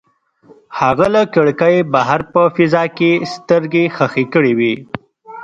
هغه له کړکۍ بهر په فضا کې سترګې ښخې کړې وې.